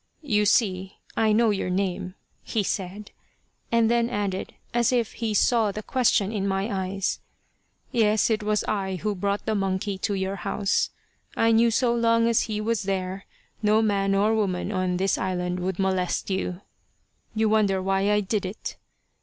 "You see I know your name," he said, and then added, as if he saw the question in my eyes, "Yes, it was I who brought the monkey to your house. I knew so long as he was there no man or woman on this island would molest you. "You wonder why I did it?